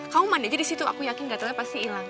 kamu mandi aja di situ aku yakin gatelnya pasti hilang